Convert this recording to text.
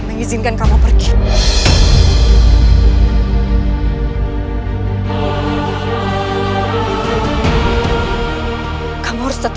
begitupun dengan rakaulang sungsat